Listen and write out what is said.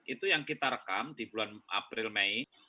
itu yang kita rekam di bulan april mei